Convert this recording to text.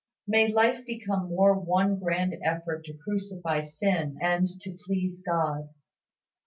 May life become more one grand effort to crucify sin and to please God.